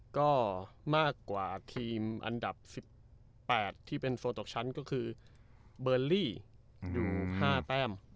ก็มากกว่าทีมอันดับ๑๘ที่เป็นโฟตกชั้นก็คือเบอร์ลี่อยู่๕แต้ม